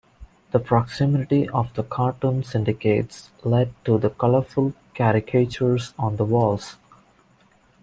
The proximity of the cartoon syndicates led to the colorful caricatures on the walls.